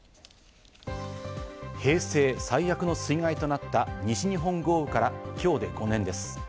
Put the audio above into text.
平成最悪の水害となった西日本豪雨から今日で５年です。